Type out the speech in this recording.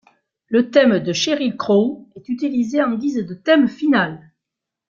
Le thème de Sheryl Crow est utilisé en guise de thème final.